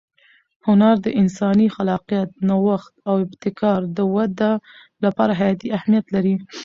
هنر د انساني خلاقیت، نوښت او ابتکار د وده لپاره حیاتي اهمیت لري.